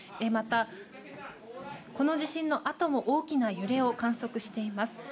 また、この地震のあとも大きな揺れを観測しています。